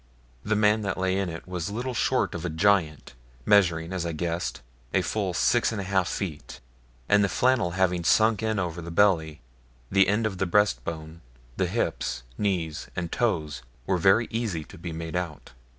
The man that lay in it was little short of a giant, measuring, as I guessed, a full six and a half feet, and the flannel having sunk in over the belly, the end of the breast bone, the hips, knees, and toes were very easy to be made out.